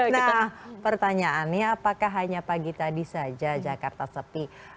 nah pertanyaannya apakah hanya pagi tadi saja jakarta sepi